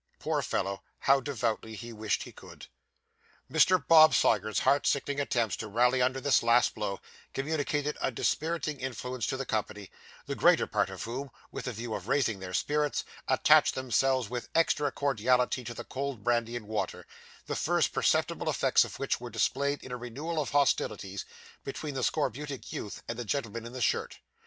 Poor fellow! how devoutly he wished he could! Mr. Bob Sawyer's heart sickening attempts to rally under this last blow, communicated a dispiriting influence to the company, the greater part of whom, with the view of raising their spirits, attached themselves with extra cordiality to the cold brandy and water, the first perceptible effects of which were displayed in a renewal of hostilities between the scorbutic youth and the gentleman in the shirt.